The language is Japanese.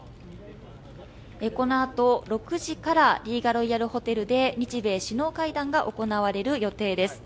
このあと、６時からリーガロイヤルホテルで日米首脳会談が行われる予定です。